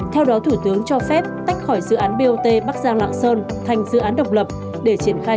theo đó thủ tướng cho phép tách khỏi dự án bot bắc giang lạng sơn thành dự án độc lập để triển khai